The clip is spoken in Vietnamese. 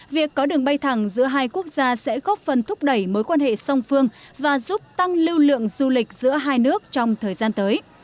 việc có đường bay thẳng giữa hai quốc gia sẽ góp phần thúc đẩy mối quan hệ song phương và giúp tăng lưu lượng du lịch giữa hai nước trong thời gian tới